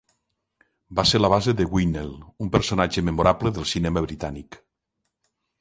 Va ser la base de Withnail, un personatge memorable del cinema britànic.